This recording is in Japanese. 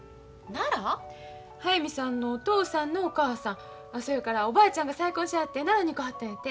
速水さんのお父さんのお母さんそやからおばあちゃんが再婚しはって奈良に行かはったんやて。